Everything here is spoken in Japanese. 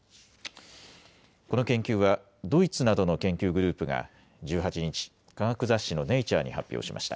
この研究はドイツなどの研究グループが１８日、科学雑誌のネイチャーに発表しました。